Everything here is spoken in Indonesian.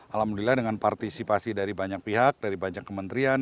alhamdulillah dengan partisipasi dari banyak pihak dari banyak kementerian